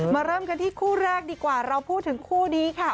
เริ่มกันที่คู่แรกดีกว่าเราพูดถึงคู่นี้ค่ะ